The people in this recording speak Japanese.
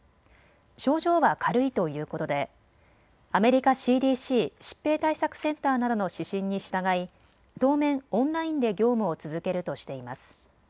症状は軽いということでアメリカＣＤＣ・疾病対策センターなどの指針に従い当面オンラインで業務を続けるとしています。